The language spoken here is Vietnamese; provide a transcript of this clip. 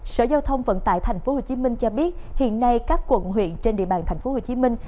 sở giao thông vận tải thành phố hồ chí minh cho biết hiện nay các quận huyện trên địa bàn thành phố hồ chí minh